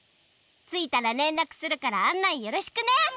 ついたられんらくするからあんないよろしくね！